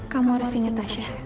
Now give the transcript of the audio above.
kamu harus ingat tasya